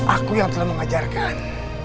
aku yang telah mengajarkan